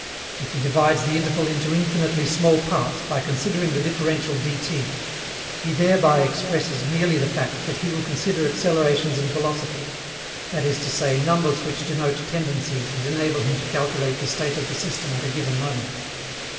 If he divides the interval into infinitely small parts by considering the differential dt, he thereby expresses merely the fact that he will consider accelerations and velocities that is to say, numbers which denote tendencies and enable him to calculate the state of the system at a given moment.